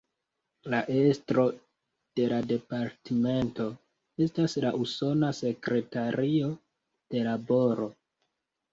La estro de la Departmento estas la Usona Sekretario de Laboro.